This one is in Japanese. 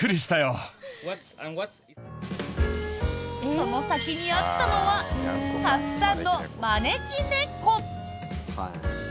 その先にあったのはたくさんの招き猫。